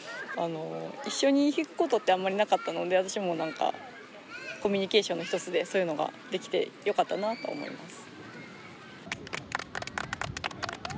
一緒に弾くことってあんまりなかったので私も何かコミュニケーションの一つでそういうのができてよかったなと思います。